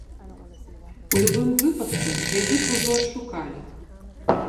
У любым выпадку, яе б ужо адшукалі.